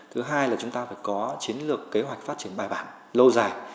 thứ hai là chúng ta phải có chiến lược kế hoạch phát triển bài bản lâu dài